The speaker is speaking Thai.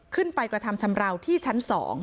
ขึ้นไปกระทำชำราวที่ชั้น๒